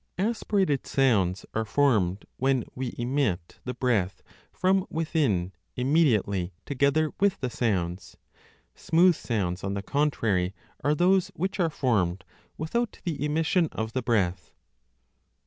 Aspirated sounds are formed when we emit the breath from within immediately together with the sounds ; smooth 10 sounds, on the contrary, are those which are formed without the emission of the breath.